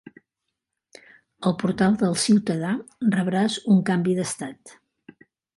Al portal del ciutadà rebràs un canvi d'estat.